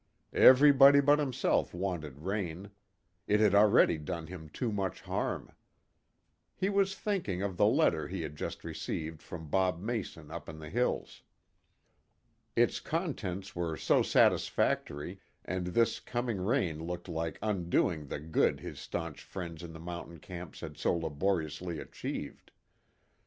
Everybody but himself wanted rain. It had already done him too much harm. He was thinking of the letter he had just received from Bob Mason up in the hills. Its contents were so satisfactory, and this coming rain looked like undoing the good his staunch friends in the mountain camps had so laboriously achieved.